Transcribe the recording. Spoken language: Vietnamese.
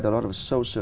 và tất cả